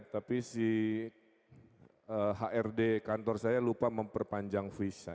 tapi si hrd kantor saya lupa memperpanjang visa